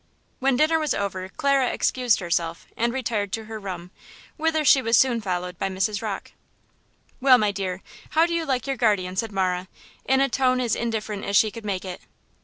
When dinner was over Clara excused herself and retired to her room, whither she was soon followed by Mrs. Rocke. "Well, my dear, how do you like your guardian?" asked Marah, in a tone as indifferent as she could make it.